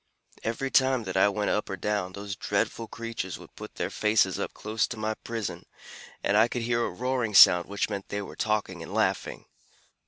Every time that I went up or down, those dreadful creatures would put their faces up close to my prison, and I could hear a roaring sound which meant they were talking and laughing.